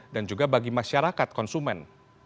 dan juga bagi masyarakat konsumen